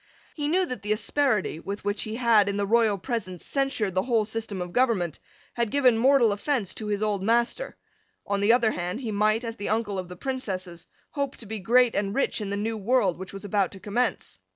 He knew that the asperity, with which he had, in the royal presence, censured the whole system of government, had given mortal offence to his old master. On the other hand he might, as the uncle of the Princesses, hope to be great and rich in the new world which was about to commence.